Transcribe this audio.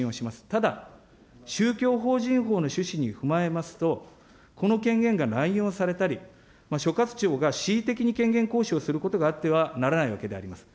ただ、宗教法人法の趣旨に踏まえますと、この権限が乱用されたり、所轄庁が恣意的に権限行使をすることがあってはならないわけであります。